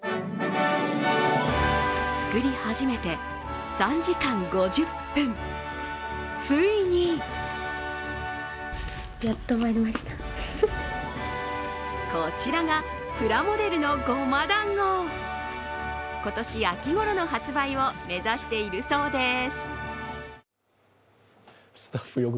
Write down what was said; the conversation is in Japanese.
作り始めて３時間５０分、ついにこちらが、プラモデルのごま団子今年秋ごろの発売を目指しているそうです。